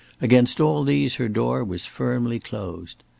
Against all these her door was firmly closed.